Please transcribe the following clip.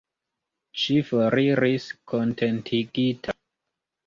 Ŝi foriris kontentigita.